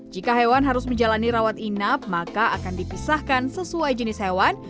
jika hewan harus menjalani rawat inap maka akan dipisahkan sesuai jenis hewan